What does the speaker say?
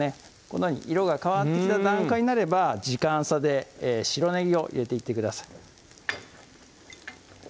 このように色が変わってきた段階になれば時間差で白ねぎを入れていってください